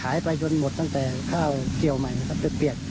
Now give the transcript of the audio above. ขายไปจนหมดตั้งแต่ข้าวเกลียวใหม่ต้องเปลี่ยน